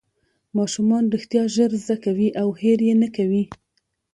ماشومان رښتیا ژر زده کوي او هېر یې نه کوي